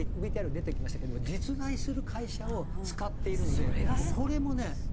ＶＴＲに出てきましたけども実在する会社を使っているのでこれもね